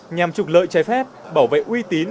nhằm trục lợi trái phép bảo vệ uy tín